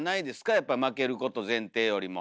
やっぱ負けること前提よりも。